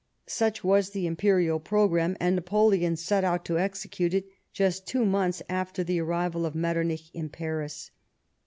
Such was the Imperial programme, and Napoleon set out to execute it just two months after the arrival of Metternich in Paris.